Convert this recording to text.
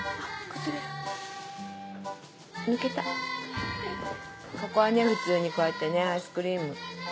ここは普通にこうやってアイスクリーム。